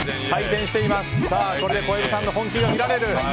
これで小籔さんの本気が見られる。